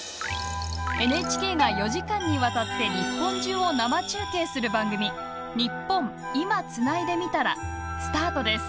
ＮＨＫが４時間にわたって日本中を生中継する番組「ニッポン『今』つないでみたら」スタートです。